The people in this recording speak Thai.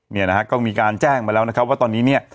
เนี่ยนะฮะก็มีการแจ้งมาแล้วนะครับว่าตอนนี้เนี่ย